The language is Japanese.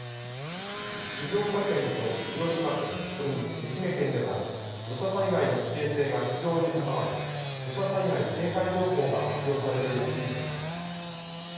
静岡県と広島県それに愛媛県では土砂災害の危険性が非常に高まり土砂災害警戒情報が発表されている地域があります。